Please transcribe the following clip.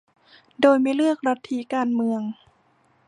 โดยไม่เลือกลัทธิการเมือง